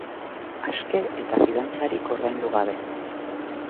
Aske eta fidantzarik ordaindu gabe.